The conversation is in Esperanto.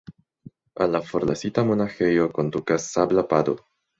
Al la forlasita monaĥejo kondukas sabla pado.